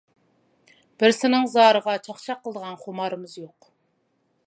بىرسىنىڭ زارىغا چاقچاق قىلىدىغان خۇمارىمىز يوق.